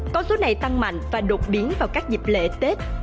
con số này tăng mạnh và đột biến vào các dịp lễ tết